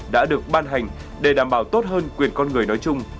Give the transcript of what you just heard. đã được ban hành để đảm bảo tốt hơn quyền con người nói chung